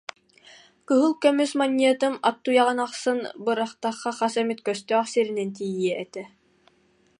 «Кыһыл көмүс манньыатым ат туйаҕын ахсын бырахтахха хас эмит көстөөх сиринэн тиийиэ этэ»